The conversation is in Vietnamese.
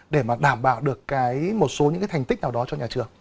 để mà đảm bảo được một số những thành tích nào đó